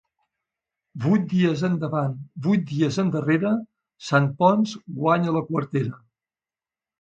Vuit dies endavant, vuit dies endarrere, Sant Ponç guanya la quartera.